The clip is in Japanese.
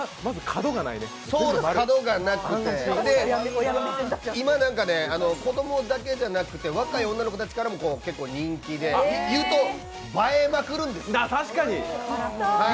角がなくて、今なんか子供だけじゃなくて若い女の子たちからも結構、人気で言うと、映えまくるんです。